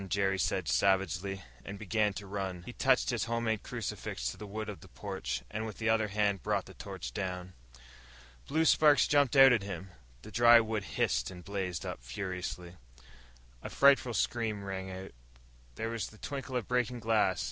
Jerry said savagely, and began to run. He touched his home made crucifix to the wood of the porch, and with the other hand brought the torch down. Blue sparks jumped out at him. The dry wood hissed and blazed up furiously. A frightful scream rang out. There was the tinkle of breaking glass.